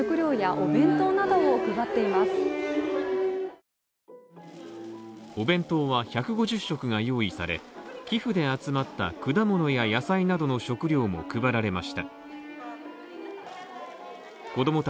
お弁当は１５０食が用意され、寄付で集まった果物や野菜などの食料も配られました。